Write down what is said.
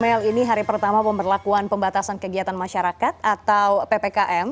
mel ini hari pertama pemberlakuan pembatasan kegiatan masyarakat atau ppkm